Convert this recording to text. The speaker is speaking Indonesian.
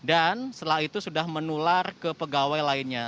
dan setelah itu sudah menular ke pegawai lainnya